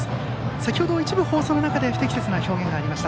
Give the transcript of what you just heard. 先程、一部放送の中で不適切な表現がありました。